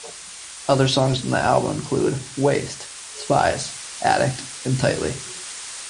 Other songs on the album include "Waste", "Spies", "Addict" and "Tightly".